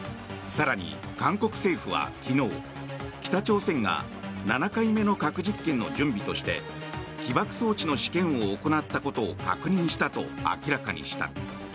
更に、韓国政府は昨日北朝鮮が７回目の核実験の準備として起爆装置の試験を行ったことを確認したと明らかにした。